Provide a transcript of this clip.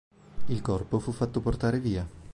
Il corpo fu fatto portare via.